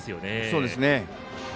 そうですね。